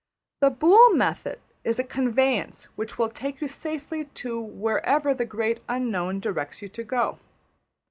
The Boole method is a conveyance which will take you safely to wherever the Great Unknown directs you to go.